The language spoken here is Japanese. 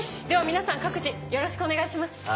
では皆さん各自よろしくお願いします。